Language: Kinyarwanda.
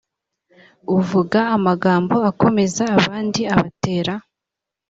uvuga amagambo akomeza abandi abatera